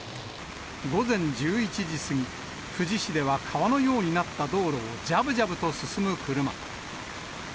午前１１時過ぎ、富士市では川のようになった道路をじゃぶじゃぶと進む車。